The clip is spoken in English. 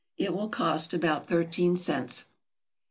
It will cost about thirteen cents.